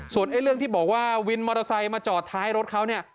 ส่วนเรื่องที่บอกว่าวินมอเตอร์ไซค์มาจอดท้ายรถเขาเนี่ย